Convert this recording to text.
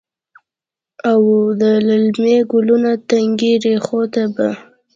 او د للمې ګلونو، تنکۍ ریښو ته به،